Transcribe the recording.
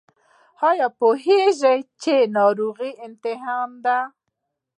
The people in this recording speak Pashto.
ایا پوهیږئ چې ناروغي امتحان دی؟